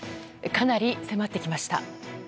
かなり迫ってきました。